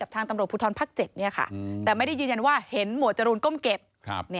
แต่ไม่ได้ยืนยันว่าเห็นหมวดจรูนก้มเก็บ